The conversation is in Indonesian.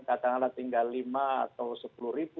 kadang kadang tinggal rp lima atau rp sepuluh